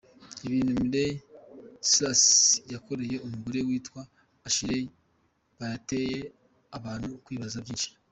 Ibi bintu Miley Cyrus yakoreye umugore witwa Ashley bayateye abantu kwibaza byinshi.